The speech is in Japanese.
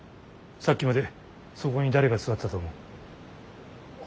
さっきまでそこに誰が座ってたと思う。